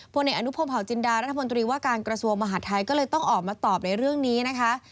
ในอนุพงศาวจินดารัฐมนตรีว่าการกระทรวงมหาดไทยก็เลยต้องออกมาตอบในเรื่องนี้นะคะ